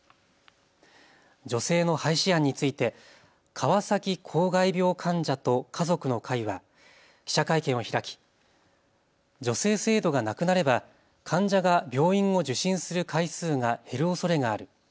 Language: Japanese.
助成の廃止案について川崎公害病患者と家族の会は記者会見を開き助成制度がなくなれば患者が病院を受診する回数が減るおそれがある。